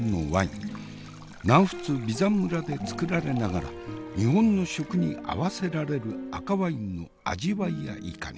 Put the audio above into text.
南仏ヴィザン村で造られながら日本の食に合わせられる赤ワインの味わいやいかに？